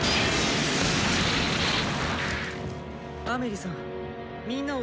アメリさん